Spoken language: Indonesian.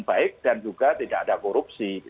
baik dan juga tidak ada korupsi